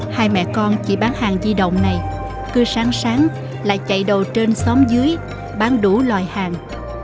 hai mẹ con chỉ bán hàng di động này cứ sáng sáng lại chạy đồ trên xóm dưới bán đủ loài hàng